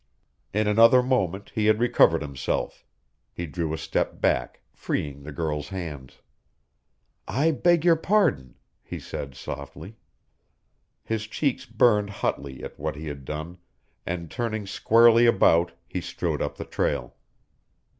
In another moment he had recovered himself. He drew a step back, freeing the girl's hands. "I beg your pardon," he said softly. His cheeks burned hotly at what he had done, and turning squarely about he strode up the trail.